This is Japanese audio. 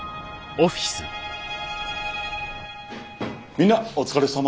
みんなお疲れさま。